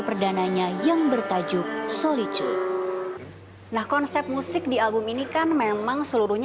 perdananya yang bertajuk solicu nah konsep musik di album ini kan memang seluruhnya